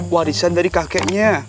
warisan dari kakeknya